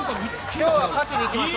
今日は勝ちにいきましょう。